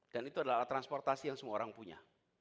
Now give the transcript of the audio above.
dan itu adalah alat transportasi yang semua orang punya